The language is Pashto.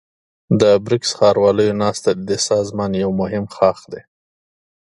د بريکس ښارواليو ناسته ددې سازمان يو مهم ښاخ دی.